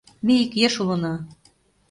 Ме ик еш улына.